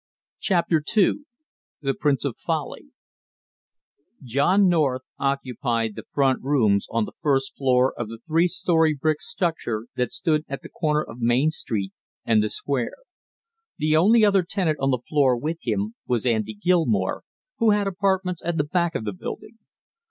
CHAPTER TWO THE PRICE OF FOLLY John North occupied the front rooms on the first floor of the three story brick structure that stood at the corner of Main Street and the Square. The only other tenant on the floor with him was Andy Gilmore, who had apartments at the back of the building.